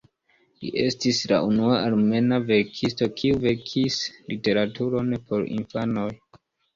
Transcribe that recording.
Li estis la unua armena verkisto kiu verkis literaturon por infanoj.